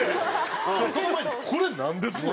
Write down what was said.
その前にこれなんですの？